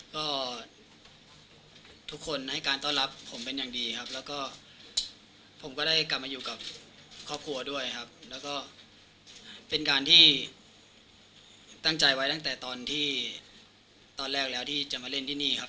ก็ทุกคนให้การต้อนรับผมเป็นอย่างดีครับแล้วก็ผมก็ได้กลับมาอยู่กับครอบครัวด้วยครับแล้วก็เป็นการที่ตั้งใจไว้ตั้งแต่ตอนที่ตอนแรกแล้วที่จะมาเล่นที่นี่ครับ